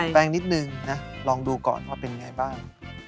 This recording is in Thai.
แปลงนิดนึงนะลองดูก่อนว่าเป็นไงบ้าง